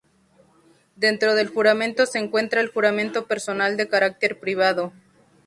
Dentro del juramento se encuentra el juramento personal de carácter privado.